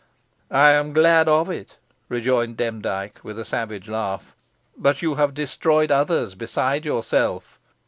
"I am glad of it," rejoined Demdike, with a savage laugh; "but you have destroyed others beside yourself.